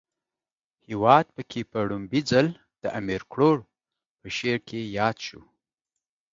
هیواد پکی په ړومبی ځل د امیر کروړ په شعر کې ياد شوی